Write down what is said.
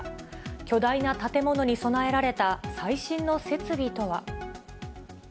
巨大な建物に備えられた最新の設備とは。